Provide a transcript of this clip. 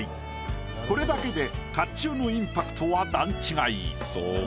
これだけで甲冑のインパクトは段違い。